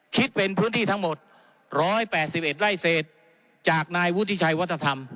คิดเป็นพื้นที่ทั้งหมด๑๘๑ไร่เศษจากนายวุฒิชัยวัฒนธรรม